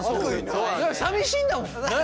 さみしいんだもん。